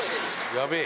やべえ。